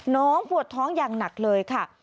น้องปวดท้องอย่างหนักเลยค่ะ